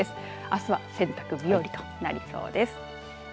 あすは洗濯日和となりそうです。